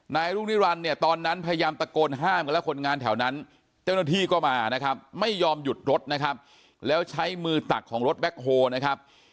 นายรุ่งนิรันดิ์เนี่ยตอนนั้นพยายามตะโกนห้ามกันแล้วคนงานแถวนั้นเจ้าหน้าที่ก็มานะครับไม่ยอมหยุดรถนะครับแล้วใช้มือตักของรถแบ็คโฮนะครับ